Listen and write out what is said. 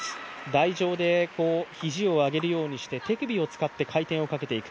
台上で肘を上げるようにして手首を使って回転をかけていく。